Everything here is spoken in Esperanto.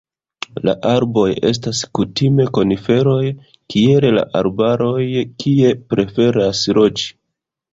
La arboj estas kutime koniferoj kiel la arbaroj kie preferas loĝi.